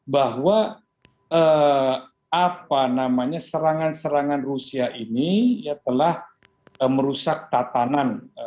bahwa serangan serangan rusia ini telah merusak tatanan